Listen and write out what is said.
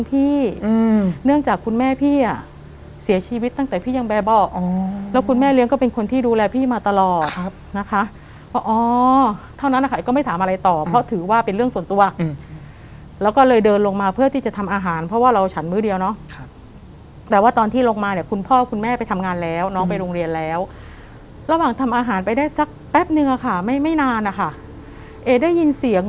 แล้วพอเสร็จแล้วเนี่ยก็หายไปต่อหน้าต่อตาเลยเดินเข้าบ้านหายไปต่อหน้าต่อตาเลย